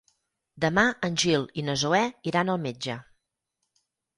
Demà en Gil i na Zoè iran al metge.